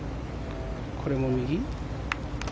これも右？